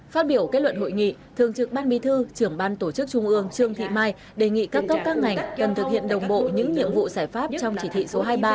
phát biểu kết luận hội nghị thường trực ban bí thư trưởng ban tổ chức trung ương trương thị mai đề nghị các cấp các ngành cần thực hiện đồng bộ những nhiệm vụ giải pháp trong chỉ thị số hai mươi ba